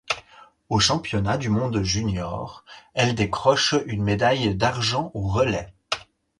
Aux Championnats du monde junior, elle decroche une médaille d'argent au relais.